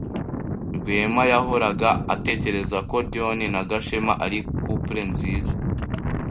Rwema yahoraga atekereza ko John na Gashema ari couple nziza.